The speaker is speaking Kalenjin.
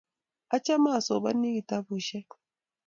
Achame asomani kitabushek